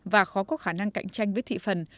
và khó có khả năng cạnh tranh với thị phần